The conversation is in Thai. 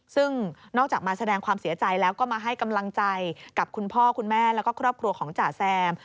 ซึ่งนอกจากมาแสดงความเสียใจแล้วก็มาให้กำลังใจกับคุณพ่อคุณแม่แล้วก็ครอบครัวของจ่าแซม